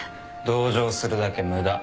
・同情するだけ無駄